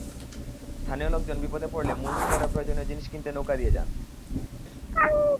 স্থানীয় লোকজন বিপদে পড়লে মূল শহরে প্রয়োজনীয় জিনিস কিনতে নৌকা দিয়ে যান।